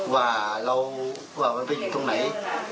ว่าเราว่ามันไปอยู่ตรงไหน